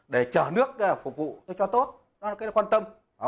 để chở nước phục vụ cho tốt đó là cái quan tâm